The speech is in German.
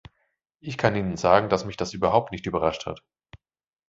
Ich kann Ihnen sagen, dass mich das überhaupt nicht überrascht hat.